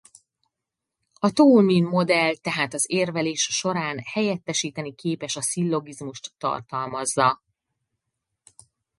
A Toulmin-modell tehát az érvelés során helyettesíteni képes a szillogizmust tartalmazza.